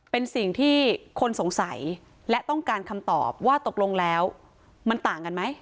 เป็นสิ่งที่คนสงสัยและต้องการคำตอบว่าตกลงแล้วมันต่างกันไหม